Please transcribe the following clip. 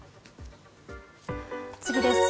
次です。